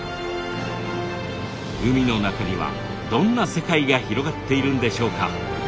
海の中にはどんな世界が広がっているんでしょうか。